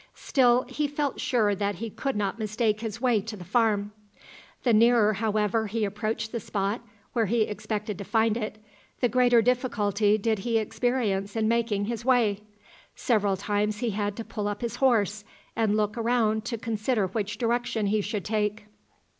Still he felt sure that he could not mistake his way to the farm. The nearer, however, he approached the spot where he expected to find it, the greater difficulty did he experience in making his way. Several times he had to pull up his horse, and look around him to consider which direction he should take.